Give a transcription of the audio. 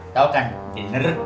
tau kan dinner